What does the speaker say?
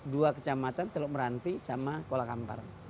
dua kecamatan teluk meranti sama kuala kampar